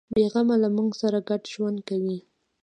بیغمه له موږ سره ګډ ژوند کوي.